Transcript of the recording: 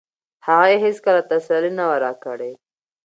هغې هیڅکله تسلي نه وه راکړې.